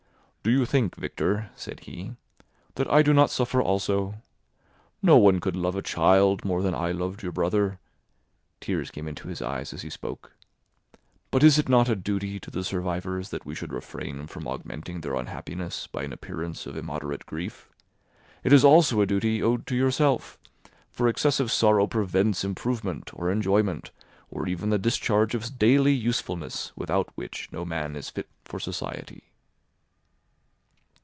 "Do you think, Victor," said he, "that I do not suffer also? No one could love a child more than I loved your brother"—tears came into his eyes as he spoke—"but is it not a duty to the survivors that we should refrain from augmenting their unhappiness by an appearance of immoderate grief? It is also a duty owed to yourself, for excessive sorrow prevents improvement or enjoyment, or even the discharge of daily usefulness, without which no man is fit for society."